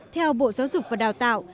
theo bộ giáo dục và đào tạo